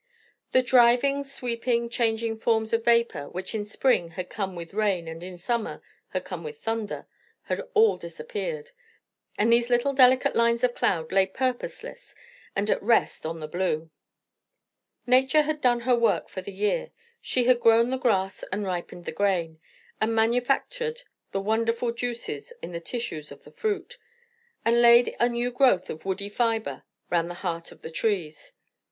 The driving, sweeping, changing forms of vapour, which in spring had come with rain and in summer had come with thunder, had all disappeared; and these little delicate lines of cloud lay purposeless and at rest on the blue. Nature had done her work for the year; she had grown the grass and ripened the grain, and manufactured the wonderful juices in the tissues of the fruit, and laid a new growth of woody fibre round the heart of the trees.